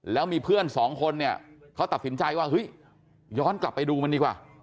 แล้วมีเพื่อนสองคนเนี่ยเขาตัดสินใจว่าเฮ้ยย้อนกลับไปดูมันดีกว่า